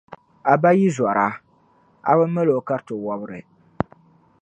A baa yi zɔra, a bi mal’ o kariti wɔbiri.